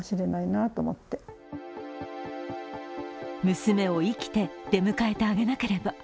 娘を生きて出迎えてあげなければ。